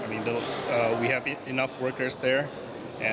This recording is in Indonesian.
kami memiliki cukup pekerja di sana